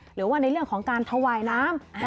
หรือว่าในเรื่องของการถวายน้ำ